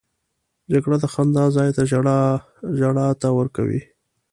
جګړه د خندا ځای ژړا ته ورکوي